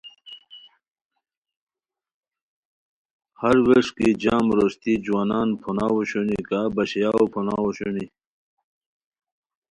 ہر ووݰکی جم روشتی جوانان پھوناؤ اوشونی کا باشیاؤ پھوناؤ اشونی